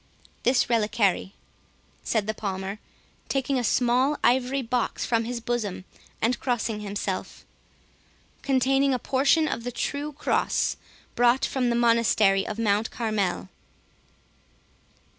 "This reliquary," said the Palmer, taking a small ivory box from his bosom, and crossing himself, "containing a portion of the true cross, brought from the Monastery of Mount Carmel."